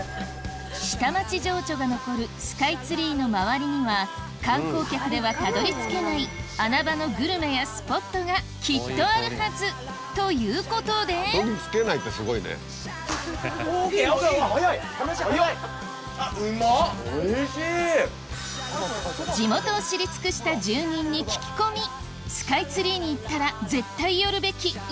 下町情緒が残るスカイツリーの周りには観光客ではたどり着けない穴場のグルメやスポットがきっとあるはずということで地元を知り尽くしたを見つけちゃいます